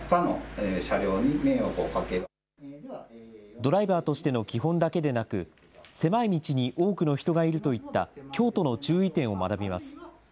ドライバーとしての基本だけでなく、狭い道に多くの人がいるといった京都の注意点を学びます。